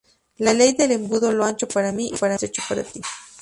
La ley del embudo, lo ancho para mí y lo estrecho para ti